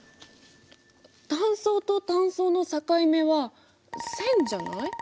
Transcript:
単層と単層の境目は線じゃない？